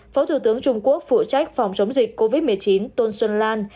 phó thủ tướng trung quốc phụ trách phòng chống dịch covid một mươi chín tôn xuân lan